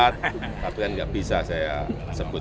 tapi kan nggak bisa saya sebut